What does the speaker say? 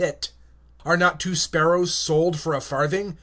(29)Are not two sparrows sold for a penny?